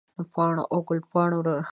د پاڼو او ګل پاڼو رګونه نقاشي کوم